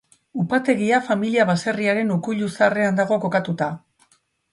Upategia familia-baserriaren ukuilu zaharrean dago kokatuta.